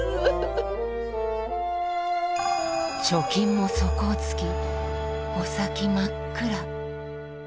貯金も底をつきお先真っ暗。